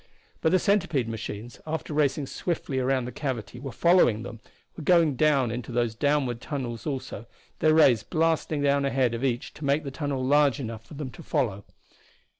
But the centipede machines, after racing swiftly around the cavity, were following them, were going down into those downward tunnels also, their rays blasting down ahead of each to make the tunnel large enough for them to follow.